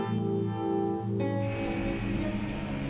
bunda mau dibawain oleh apa